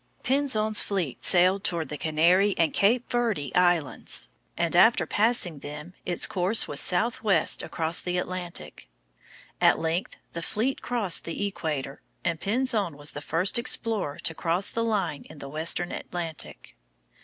Pinzon's fleet sailed toward the Canary and Cape Verde Islands, and after passing them its course was southwest across the Atlantic. At length the fleet crossed the equator, and Pinzon was the first explorer to cross the line in the western Atlantic.